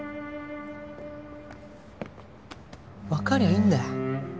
わかりゃいいんだよ。